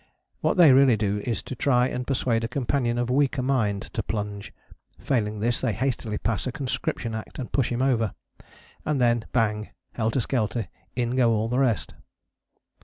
What they really do is to try and persuade a companion of weaker mind to plunge: failing this, they hastily pass a conscription act and push him over. And then bang, helter skelter, in go all the rest.